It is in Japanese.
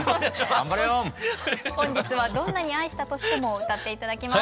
本日は「どんなに愛したとしても」を歌って頂きます。